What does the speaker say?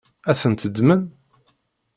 Ad tent-ddmen?